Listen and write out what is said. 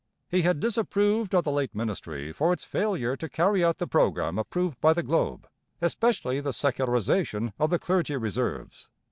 He had disapproved of the late ministry for its failure to carry out the programme approved by the Globe, especially the secularization of the Clergy Reserves.